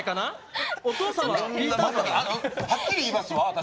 はっきり言いますわ私。